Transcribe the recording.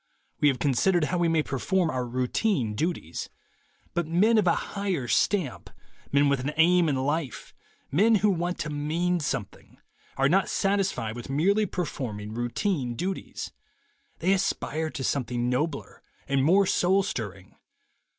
.We have considered how we may perform our routine duties. But men of a higher stamp, men with an aim in life, men who want to mean something, are not satisfied with merely perform ing routine duties. They aspire to something nobler and more soul stirring.